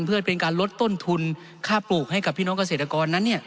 เพื่อเป็นการลดต้นทุนค่าปลูกให้กับพี่น้องเกษตรกรนั้น